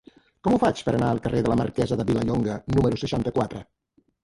Com ho faig per anar al carrer de la Marquesa de Vilallonga número seixanta-quatre?